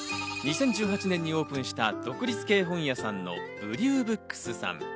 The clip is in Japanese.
２０１８年にオープンした、独立系本屋さんのＢＲＥＷＢＯＯＫＳさん。